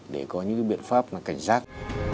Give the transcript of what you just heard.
để có những biện pháp là cảnh giác